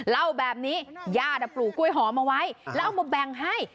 เล่าแบบนี้ญาติปลูกกล้วยหอมเอาไว้แล้วเอามาแบ่งให้